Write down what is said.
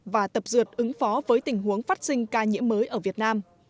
và tập dượt ứng phó với tình huống phát sinh ca nhiễm mới ở việt nam